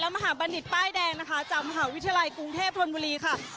และมหาวิทยาลัยกรุงเทพธรรมบรี